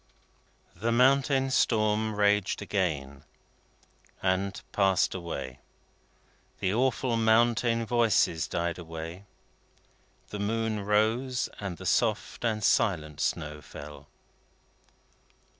The mountain storm raged again, and passed again. The awful mountain voices died away, the moon rose, and the soft and silent snow fell.